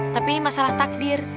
tapi ini masalah takdir